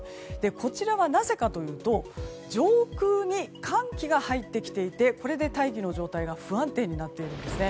こちらはなぜかというと上空に寒気が入ってきていてこれで大気の状態が不安定になっているんですね。